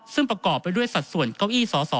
ซึ่งประกอบไปด้วยสัดส่วนเก้าอี้สส